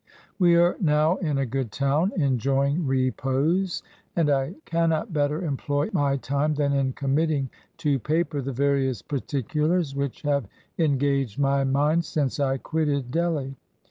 We are now in a good town, enjo} ing repose; and I cannot better employ my time than in committing to paper the various particulars which have engaged my mind since I quitted Delhi.